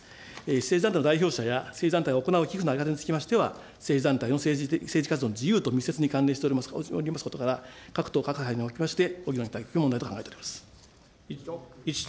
政治団体の代表者や、政治団体が行う寄付のにつきましては、政治団体の政治活動の自由と密接に関連しておりますことから、各党、各派におきまして、ご議論いただきたいと考えております。